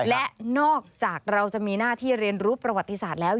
และนอกจากเราจะมีหน้าที่เรียนรู้ประวัติศาสตร์แล้ว